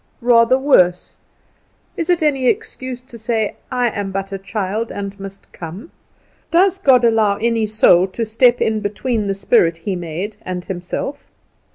rather worse. Is it any excuse to say, "I am but a child and must come?" Does God allow any soul to step in between the spirit he made and himself?